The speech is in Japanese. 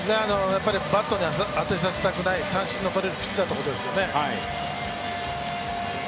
バットに当てさせたくない、三振の取れるピッチャーということですよね。